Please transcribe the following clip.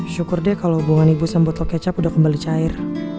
syukur deh kalau hubungan ibu sama telur kecap udah kembali cair